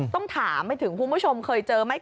ต้องถามไปถึงคุณผู้ชมเคยเจอไหม